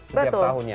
setiap tahun ya